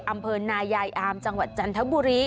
อำเภอนายายอามจังหวัดจันทบุรี